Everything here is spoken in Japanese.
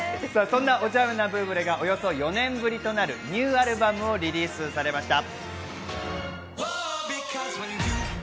そんなおちゃめなブーブレがおよそ４年ぶりとなるニューアルバムをリリースされました。